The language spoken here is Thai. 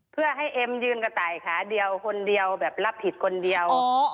เพื่อให้เอ็มยืนกระต่ายขาเดียวคนเดียวแบบรับผิดคนเดียว